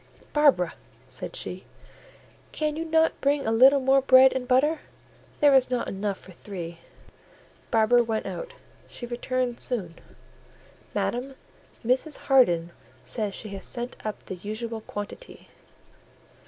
"Barbara," said she, "can you not bring a little more bread and butter? There is not enough for three." Barbara went out: she returned soon— "Madam, Mrs. Harden says she has sent up the usual quantity."